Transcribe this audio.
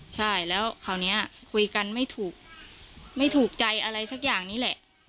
ใช่แล้วคราวนี้คุยกันไม่ถูกไม่ถูกใจอะไรสักอย่างนี้แหละ